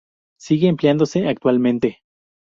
Sigue empleándose actualmente.